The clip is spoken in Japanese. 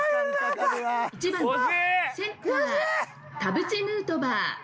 「１番センター田渕ヌートバー」